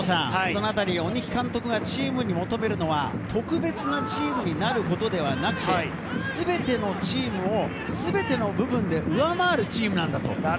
鬼木監督がチームに求めるのは特別なチームになることではなくて、すべてのチームをすべての部分で上回るチームなんだと。